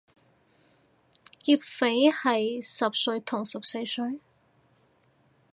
劫匪係十歲同十四歲？